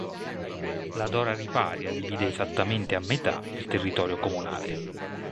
La Dora Riparia divide esattamente a metà il territorio comunale.